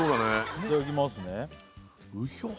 いただきますね